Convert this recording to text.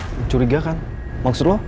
mencurigakan maksud lo